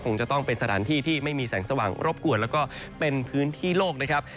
คงจะต้องเป็นสถานที่ที่ไม่มีแสงสว่างรบกวนแล้วก็เป็นพื้นที่โลกนะครับ